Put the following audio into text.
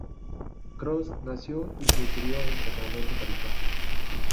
Kross nació y se crio en Sacramento, California.